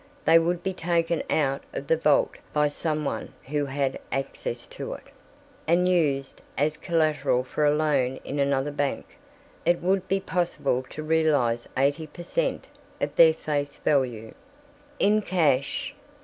"They would be taken out of the vault by some one who had access to it, and used as collateral for a loan in another bank. It would be possible to realize eighty per cent. of their face value." "In cash?"